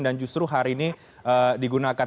dan justru hari ini digunakan